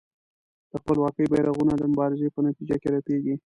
د خپلواکۍ بېرغونه د مبارزې په نتیجه کې رپېږي.